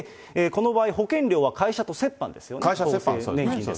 この場合、保険料は会社と折半ですよね。